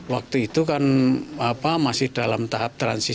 waktu itu kan masih dalam tahap transisi